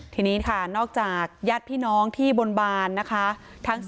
ทีนี้ค่ะนอกจากญาติพี่น้องที่บนบานนะคะ